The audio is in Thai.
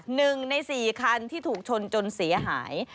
หนึ่งในสี่คันที่ถูกชนจนเสียหาย